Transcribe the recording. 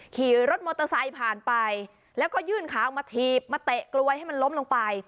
ขี่รถมอเตอร์ไซค์ผ่านไปแล้วก็ยื่นขาออกมาถีบมาเตะกลวยให้มันล้มลงไป